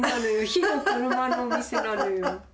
火の車のお店なのよ。